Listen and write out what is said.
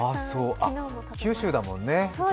あ、九州だもんね。